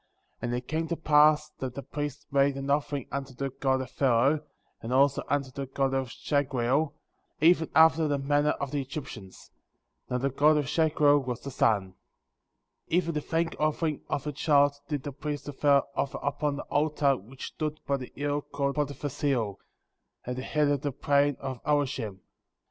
And it came to pass that the priest made an offering unto the god of Pharaoh,^ and also unto the god of Shagreel, even after the manner of the Egyptians. Now the god of Shagreel was the sun. 10. Even the thank offering of a child did the priest of Pharaoh offer upon the altar which stood by the hill called Potiphar^s Hill,« at the head of the plain of Olishem.